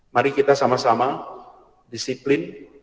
mari kita sama sama disiplin